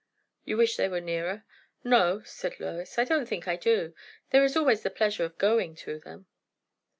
"You wish they were nearer?" "No," said Lois; "I don't think I do; there is always the pleasure of going to them."